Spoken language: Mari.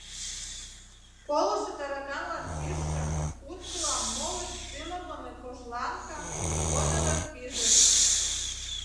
Колышо тараканлан пижше куткыла молышт сӱмырлымӧ кожлан ка выдырын пижыч.